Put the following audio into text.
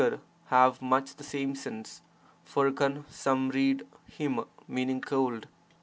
have much the same sense. For ^T some read f?*T, meaning cold.